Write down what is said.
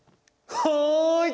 はい。